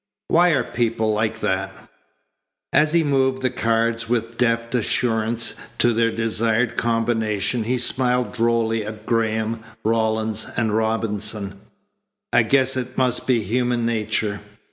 Why are people like that?" As he moved the cards with a deft assurance to their desired combination he smiled drolly at Graham, Rawlins, and Robinson. "I guess it must be human nature.